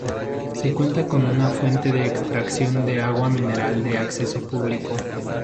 Se cuenta con una fuente de extracción de agua mineral de acceso público.